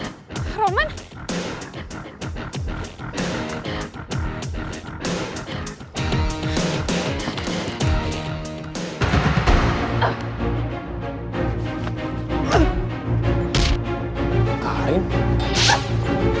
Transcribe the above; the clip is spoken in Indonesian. sesamanya gak mau kemana haut